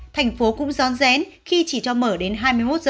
thành phố cũng don rén khi chỉ cho mở đến hai mươi một h